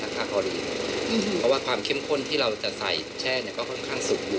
เมื่อแช่คอลีนสำคัญพอว่าความเข้มข้นที่เราจะใส่แช่เนี่ยก็ค่อนข้างสูงแล้ว